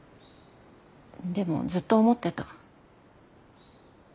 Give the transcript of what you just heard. でもずっと思ってた。